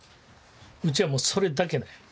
うちはもうそれだけね。